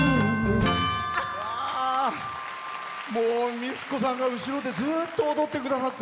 美律子さんが後ろでずっと踊ってくださって。